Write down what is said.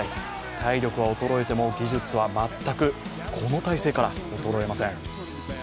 体力は衰えても技術は全く、この体勢から衰えません。